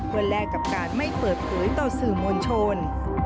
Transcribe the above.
เพื่อแลกกับการไม่เปิดเผยต่อสื่อมวลชน